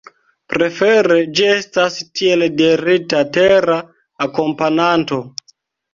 Prefere ĝi estas tiel dirita tera akompananto.